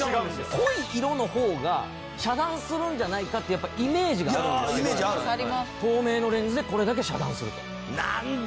濃い色の方が遮断するんじゃないかってやっぱりイメージがあるんですけど透明のレンズでこれだけ遮断すると。